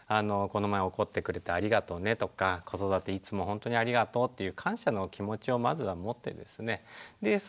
「この前怒ってくれてありがとうね」とか「子育ていつも本当にありがとう」っていう感謝の気持ちをまずは持ってですねで